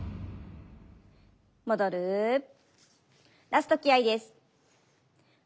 ラスト気合いです。